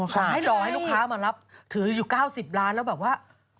ขอให้รอให้ลูกค้ามารับถืออยู่๙๐ล้านแล้วแบบว่า